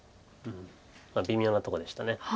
微妙なとこでした。